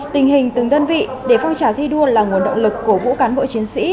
tình hình từng đơn vị để phong trào thi đua là nguồn động lực cổ vũ cán bộ chiến sĩ